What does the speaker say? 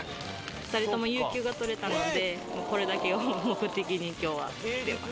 ２人とも有給が取れたので、これだけを目的にきょうは来てます。